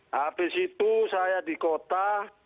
habis itu saya di kota